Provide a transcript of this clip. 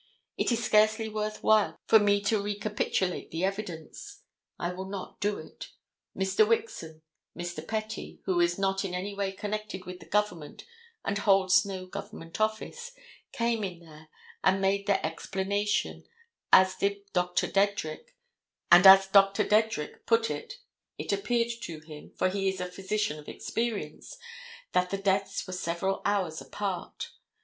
It is scarcely worth while for me to recapitulate the evidence. I will not do it. Mr. Wixon, Mr. Pettee, who is not in any way connected with the government and holds no government office—came in there and made their explanation, and as Dr. Dedrick put it, it appeared to him—for he is a physician of experience, that the deaths were several hours apart.